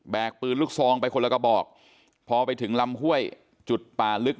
ปืนลูกซองไปคนละกระบอกพอไปถึงลำห้วยจุดป่าลึก